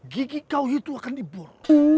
gigi kau itu akan diburu